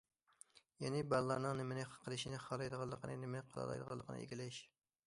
يەنى بالىلارنىڭ نېمىنى قىلىشنى خالايدىغانلىقىنى، نېمىنى قىلالايدىغانلىقىنى ئىگىلەش.